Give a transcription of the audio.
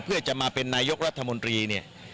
เพื่อจะมาเป็นนายกรัฐมนตรีเนี่ย